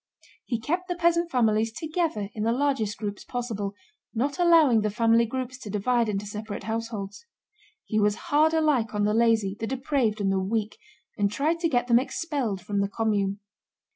He kept the peasant families together in the largest groups possible, not allowing the family groups to divide into separate households. He was hard alike on the lazy, the depraved, and the weak, and tried to get them expelled from the commune.